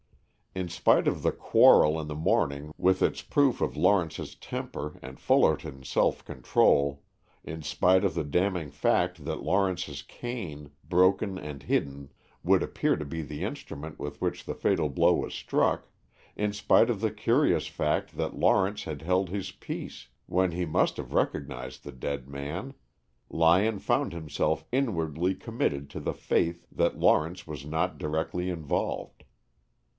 In spite of the quarrel in the morning with its proof of Lawrence's temper and Fullerton's self control, in spite of the damning fact that Lawrence's cane, broken and hidden, would appear to be the instrument with which the fatal blow was struck, in spite of the curious fact that Lawrence had held his peace when he must have recognized the dead man, Lyon found himself inwardly committed to the faith that Lawrence was not directly involved.